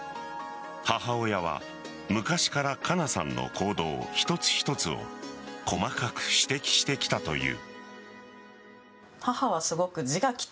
母親は、昔から加奈さんの行動一つ一つを細かく指摘してきたという。